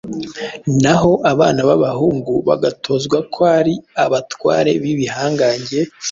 Naho abana b’abahungu bagatozwa ko ari abatware b’ibihangange,